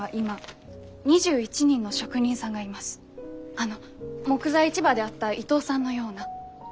あの木材市場で会った伊藤さんのような。